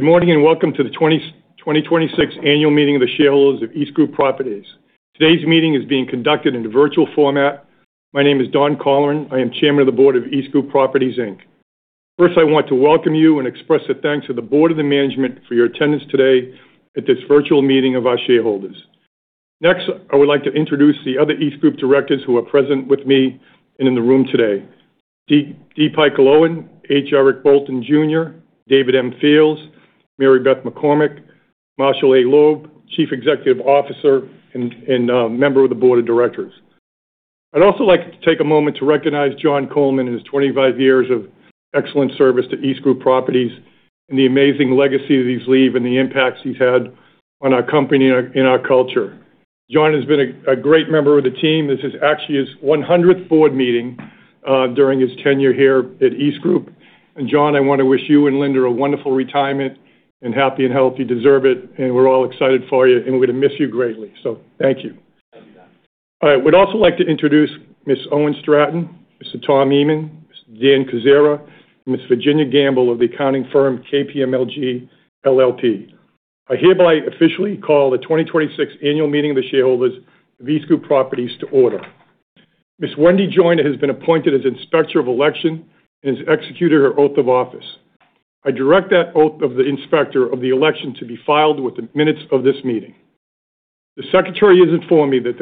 Good morning, and welcome to the 2026 annual meeting of the shareholders of EastGroup Properties. Today's meeting is being conducted in a virtual format. My name is Don Colleran. I am Chairman of the Board of EastGroup Properties, Inc. First, I want to welcome you and express the thanks of the Board and the management for your attendance today at this virtual meeting of our shareholders. Next, I would like to introduce the other EastGroup directors who are present with me and in the room today. D. Pike Aloian, H. Eric Bolton, Jr., David M. Fields, Mary Beth McCormick, Marshall A. Loeb, Chief Executive Officer, and member of the Board of Directors. I'd also like to take a moment to recognize John Coleman and his 25 years of excellent service to EastGroup Properties, and the amazing legacy that he's leave and the impacts he's had on our company and our culture. John has been a great member of the team. This is actually his 100th board meeting during his tenure here at EastGroup. John, I want to wish you and Linda a wonderful retirement, and happy and healthy. You deserve it, and we're all excited for you, and we're going to miss you greatly. Thank you. Thank you, Don. All right. Would also like to introduce Ms. Owen Stratton, Mr. Tom Eamon, Mr. Dan Kucera, and Ms. Virginia Gamble of the accounting firm KPMG LLP. I hereby officially call the 2026 annual meeting of the shareholders of EastGroup Properties to order. Ms. Wendy Joyner has been appointed as Inspector of Election and has executed her oath of office. I direct that oath of the inspector of election to be filed with the minutes of this meeting. The Secretary has informed me that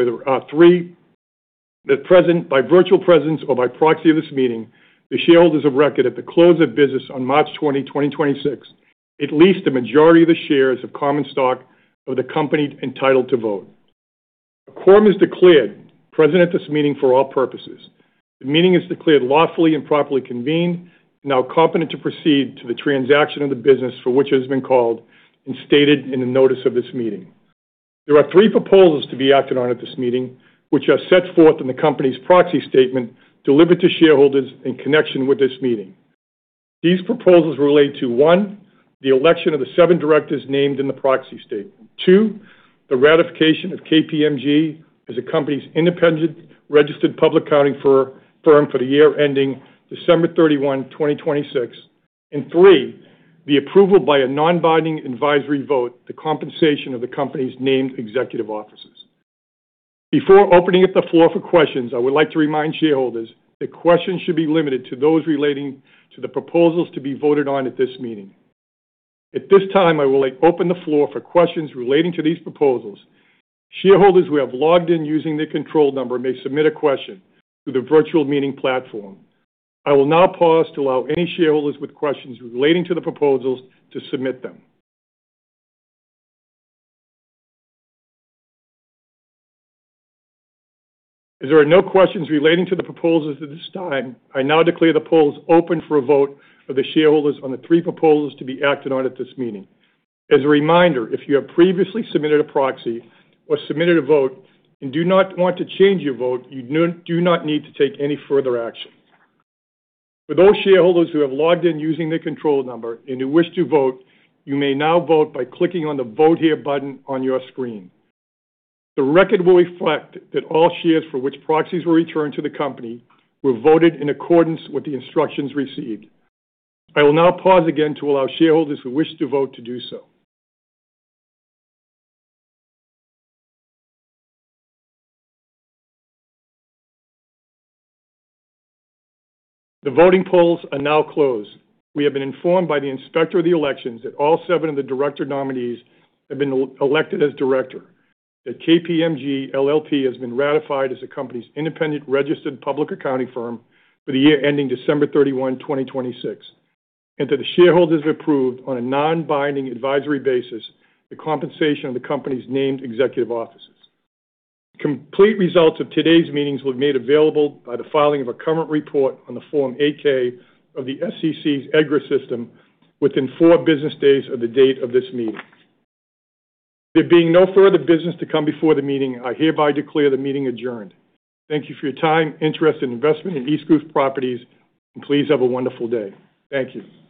present by virtual presence or by proxy of this meeting, the shareholders of record at the close of business on March 20, 2026, at least a majority of the shares of common stock of the company entitled to vote. A quorum is declared present at this meeting for all purposes. The meeting is declared lawfully and properly convened and now competent to proceed to the transaction of the business for which it has been called and stated in the notice of this meeting. There are three proposals to be acted on at this meeting, which are set forth in the company's proxy statement delivered to shareholders in connection with this meeting. These proposals relate to, one, the election of the seven directors named in the proxy statement. Two, the ratification of KPMG as the company's independent registered public accounting firm for the year ending December 31, 2026. Three, the approval by a non-binding advisory vote, the compensation of the company's named executive officers. Before opening up the floor for questions, I would like to remind shareholders that questions should be limited to those relating to the proposals to be voted on at this meeting. At this time, I will open the floor for questions relating to these proposals. Shareholders who have logged in using their control number may submit a question through the virtual meeting platform. I will now pause to allow any shareholders with questions relating to the proposals to submit them. As there are no questions relating to the proposals at this time, I now declare the polls open for a vote of the shareholders on the three proposals to be acted on at this meeting. As a reminder, if you have previously submitted a proxy or submitted a vote and do not want to change your vote, you do not need to take any further action. For those shareholders who have logged in using their control number and who wish to vote, you may now vote by clicking on the vote here button on your screen. The record will reflect that all shares for which proxies were returned to the company were voted in accordance with the instructions received. I will now pause again to allow shareholders who wish to vote to do so. The voting polls are now closed. We have been informed by the inspector of election that all seven of the director nominees have been elected as director, that KPMG LLP has been ratified as the company's independent registered public accounting firm for the year ending December 31, 2026, and that the shareholders approved, on a non-binding advisory basis, the compensation of the company's named executive officers. Complete results of today's meetings will be made available by the filing of a current report on the Form 8-K of the SEC's EDGAR system within four business days of the date of this meeting. There being no further business to come before the meeting, I hereby declare the meeting adjourned. Thank you for your time, interest, and investment in EastGroup Properties, and please have a wonderful day. Thank you.